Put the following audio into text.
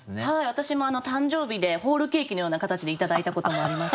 私も誕生日でホールケーキのような形で頂いたこともありますし。